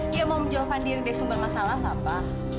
dia mau menjawab pandangan yang sudah sumber masalah papa